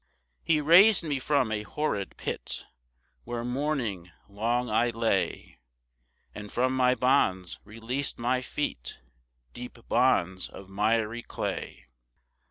2 He rais'd me from a horrid pit Where mourning long I lay, And from my bonds releas'd my feet, Deep bonds of miry clay.